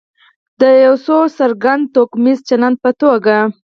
د یو څرګند توکمیز چلند په توګه.